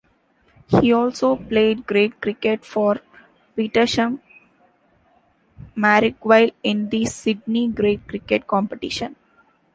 He also played grade cricket for Petersham-Marrickville in the Sydney grade cricket competition.